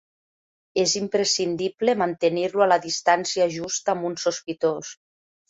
És imprescindible mantenir-lo a la distància justa amb un sospitós.